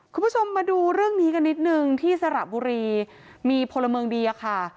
คุณผู้ชมมาดูเรื่องนี้กันนิดนึงที่สระบุรีมีพลเมืองดีอะค่ะ